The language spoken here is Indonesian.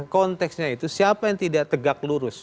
konteksnya itu siapa yang tidak tegak lurus